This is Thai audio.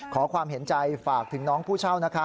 ขอความเห็นใจฝากถึงน้องผู้เช่านะคะ